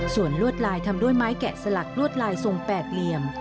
ส่วนลวดลายทำด้วยไม้แกะสลักลวดลายทรงแปดเหลี่ยม